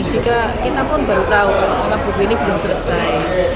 jika kita pun baru tahu kalau buku ini belum selesai